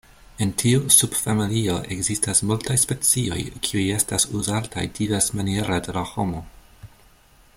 En tiu subfamilio ekzistas multaj specioj, kiuj estas uzataj diversmaniere de la homo.